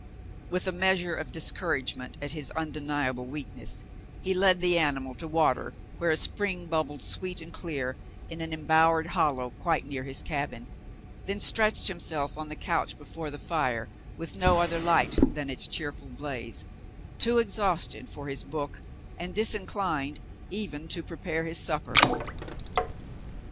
With a measure of discourage ment at his undeniable weakness, he led the animal to water where a spring bubbled sweet and clear in an em bowered hollow quite near his cabin, then stretched him self on the couch before the fire, with no other light than its cheerful blaze, too exhausted for his book and disin clined even to prepare his supper.